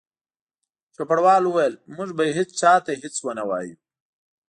چوپړوال وویل: موږ به هیڅ چا ته هیڅ ونه وایو.